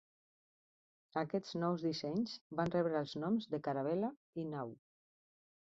Aquests nous dissenys van rebre els noms de caravel·la i nau.